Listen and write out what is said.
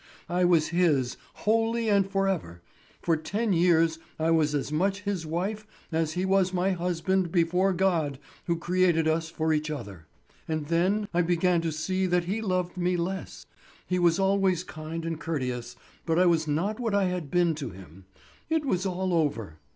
I was his wholly and forever; for ten years I was as much his wife as he was my husband before God who created us for each other. And then I began to see that he loved me less. He was always kind and courteous, but I was not what I had been to him. It was all over!